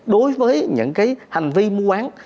đối với những cái hành vi mua quán